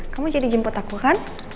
kamu jadi jemput aku kan